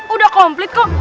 udah komplit kok